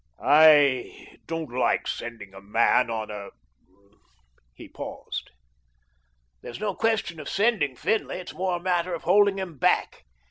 "I don't like sending a man on a " He paused. "There's no question of sending Finlay; it's more a matter of holding him back.